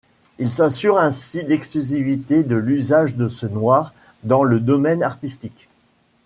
Il s'assure ainsi l'exclusivité de l'usage de ce noir dans le domaine artistique.